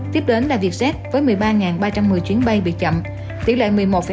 tiếp đến là vietjet với một mươi ba ba trăm một mươi chuyến bay bị chậm tỷ lệ một mươi một năm